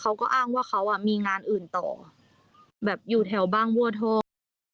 เขาก็อ้างว่าเขาอ่ะมีงานอื่นต่อแบบอยู่แถวบางบัวทอง